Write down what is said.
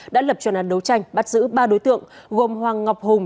đã lập truyền án đấu tranh bắt giữ ba đối tượng gồm hoàng ngọc hùng